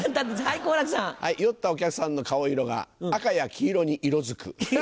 酔ったお客さんの顔色が赤や黄色に色づく。